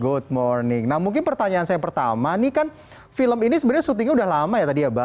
good morning nah mungkin pertanyaan saya pertama ini kan film ini sebenarnya syutingnya udah lama ya tadi ya mbak